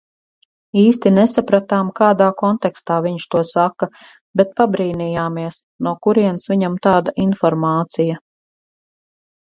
Īsti nesapratām, kādā kontekstā viņš to saka, bet pabrīnījāmies, no kurienes viņam tāda informācija.